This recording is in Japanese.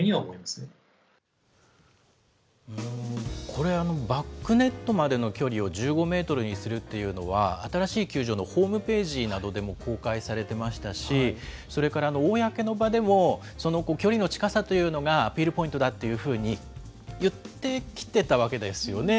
これ、バックネットまでの距離を１５メートルにするというのは、新しい球場のホームページなどでも公開されてましたし、それから公の場でも、距離の近さというのがアピールポイントだっていうふうに言ってきてたわけですよね。